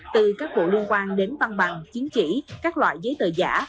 từ các vụ liên quan đến văn bằng chứng chỉ các loại giấy tờ giả